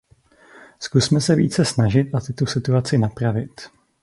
Zkusme se více snažit a tuto situaci napravit.